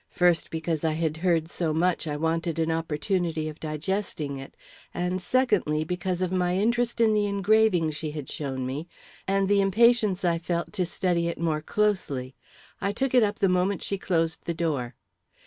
First, because I had heard so much, I wanted an opportunity of digesting it; and, secondly, because of my interest in the engraving she had shown me, and the impatience I felt to study it more closely. I took it up the moment she closed the door.